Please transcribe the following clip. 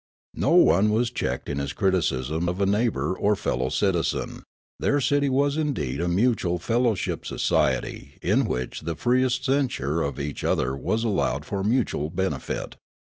No one was checked in his criticism of a neigh bour or fellow citizen ; their city was indeed a mutual fellowship society in which the freest censure of each other was allowed for mutual benefit.